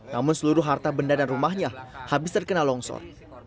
namun seluruh harta benda dan rumahnya habis terkena longsor